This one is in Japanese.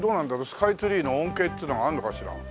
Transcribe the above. スカイツリーの恩恵っていうのはあるのかしら？